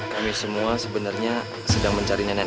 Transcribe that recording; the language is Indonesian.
kami semua sebenarnya sedang mencari nenek nenek bu